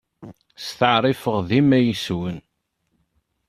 Steɛṛifeɣ dima yes-wen.